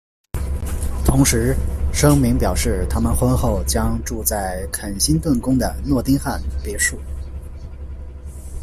同时，声明表示他们婚后将住在肯辛顿宫的诺丁汉别墅。